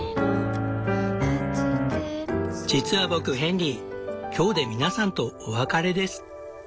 実は僕ヘンリー今日で皆さんとお別れです。